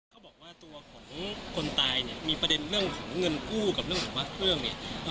เขาบอกว่าตัวของคนตายเนี่ยมีประเด็นเรื่องของเงินกู้กับเรื่องของพระเครื่องเนี่ย